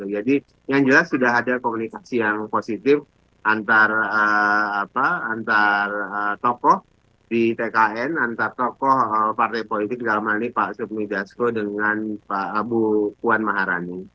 jadi yang jelas sudah ada komunikasi yang positif antara tokoh di tkn antara tokoh partai politik kalemani pak submi dasko dengan pak abu kwan maharani